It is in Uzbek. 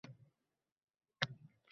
Bir ko‘ppakning ustidan ikkinchisiga ketdi.